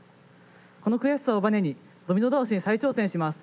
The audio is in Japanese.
その悔しさをバネにドミノ倒しに再挑戦します。